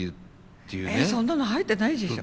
そんなの入ってないでしょ。